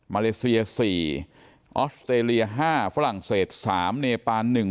มาเลเซียสี่ออสเตรเลียห้าฝรั่งเศสสามเนปานหนึ่ง